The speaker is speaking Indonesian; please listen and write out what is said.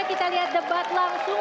kita lihat debat langsung